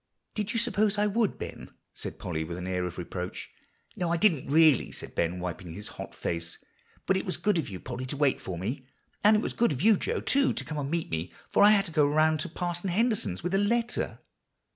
"Did you suppose I would, Ben?" said Polly with an air of reproach. "No, I didn't really," said Ben, wiping his hot face. "But it was good of you, Polly, to wait for me. And it was good of you Joe, too, to come to meet me, for I had to go around to Parson Henderson's with a letter."